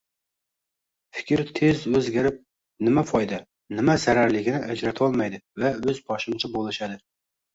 Fikri tez o`zgarib, nima foyda, nima zararligini ajratolmaydi va o`zboshimcha bo`lishadi